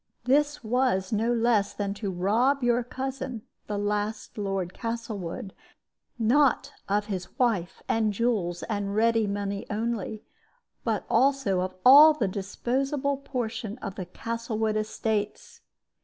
This was no less than to rob your cousin, the last Lord Castlewood, not of his wife and jewels and ready money only, but also of all the disposable portion of the Castlewood estates.